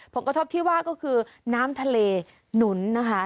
ผลกระทบที่ว่าก็คือน้ำทะเลหนุนนะคะ